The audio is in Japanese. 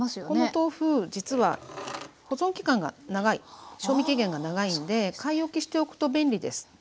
この豆腐実は保存期間が長い賞味期限が長いので買い置きしておくと便利です。